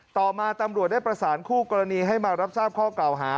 ต่อมาตำรวจได้ประสานคู่กรณีให้มารับทราบข้อเก่าหา